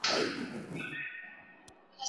که ته غواړي بریالی سې نو له استاد سره مشوره کوه.